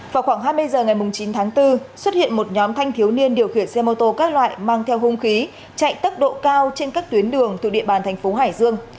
vào khoảng hai mươi h ngày chín tháng bốn xuất hiện một nhóm thanh thiếu niên điều khiển xe mô tô các loại mang theo hung khí chạy tốc độ cao trên các tuyến đường thuộc địa bàn thành phố hải dương